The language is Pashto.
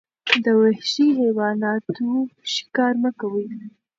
د وحشي حیواناتو ښکار مه کوئ.